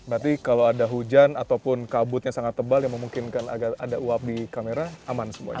berarti kalau ada hujan ataupun kabutnya sangat tebal yang memungkinkan agar ada uap di kamera aman semuanya